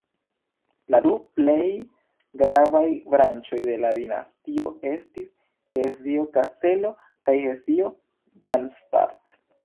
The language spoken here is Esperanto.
La du plej gravaj branĉoj de la dinastio estis Hesio-Kaselo kaj Hesio-Darmstadt.